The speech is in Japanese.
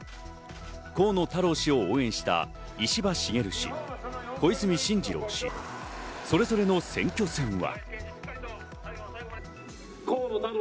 河野太郎氏を応援した石破茂氏、小泉進次郎氏、それぞれの選挙戦は。